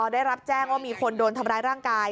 ได้รับแจ้งว่ามีคนโดนทำร้ายร่างกาย